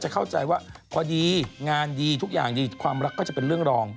เข้าใจว่าพอดีงานดีทุกอย่างดีความรักก็จะเป็นเรื่องรอง